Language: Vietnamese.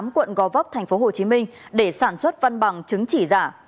quận gò vóc thành phố hồ chí minh để sản xuất văn bằng chứng chỉ giả